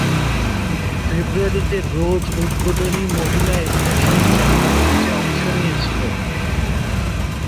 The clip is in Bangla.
ফেব্রুয়ারিতে রোজ উদ্বোধনী "মহিলা এলিমিনেশন চেম্বার ম্যাচে" অংশ নিয়েছিল।